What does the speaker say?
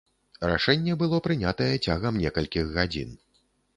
Рашэнне было прынятае цягам некалькіх гадзін.